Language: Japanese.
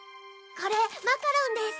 これマカロンです。